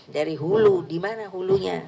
dari hulu dimana hulunya